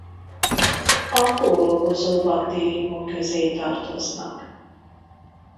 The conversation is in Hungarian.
A kórokozó baktériumok közé tartoznak.